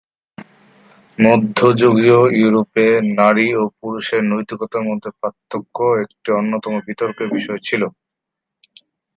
মধ্যযুগীয় ইউরোপে নারী ও পুরুষের নৈতিকতার মধ্যে পার্থক্য একটি অন্যতম বিতর্কের বিষয় ছিল।